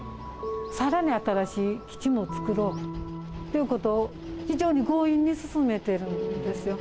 さらに新しい基地も作ろうということを、非常に強引に進めてるんですよ。